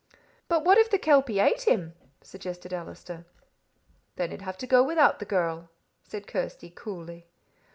"But what if the kelpie ate him?" suggested Allister. "Then he'd have to go without the girl," said Kirsty, coolly.